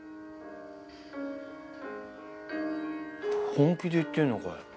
本気で言ってるのかよ？